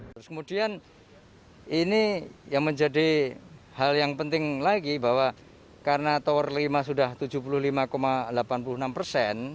terus kemudian ini yang menjadi hal yang penting lagi bahwa karena tower lima sudah tujuh puluh lima delapan puluh enam persen